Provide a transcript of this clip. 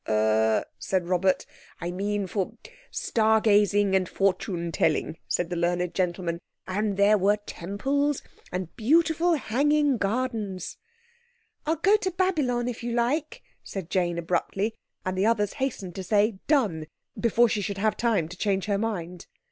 "Er?" said Robert. "I mean for—star gazing and fortune telling," said the learned gentleman, "and there were temples and beautiful hanging gardens—" "I'll go to Babylon if you like," said Jane abruptly, and the others hastened to say "Done!" before she should have time to change her mind.